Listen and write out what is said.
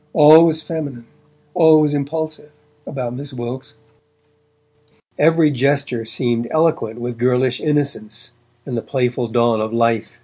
All was feminine, all was impulsive, about Miss Wilkes; every gesture seemed eloquent with girlish innocence and the playful dawn of life.